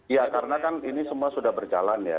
ya karena kan ini semua sudah berjalan ya